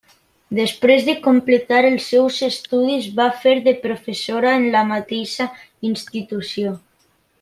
Després de completar els seus estudis, va fer de professora en la mateixa institució.